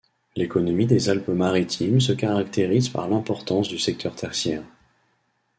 L'économie des Alpes-Maritimes se caractérise par l'importance du secteur tertiaire.